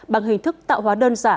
bằng hình thức tạo hóa đơn giả